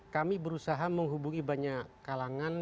kami berusaha menghubungi banyak kalangan